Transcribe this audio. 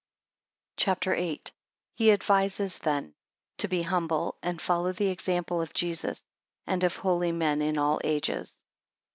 CHAPTER VIII. He advises then, to be humble, and, follow the examples of Jesus, and of holy men in all ages.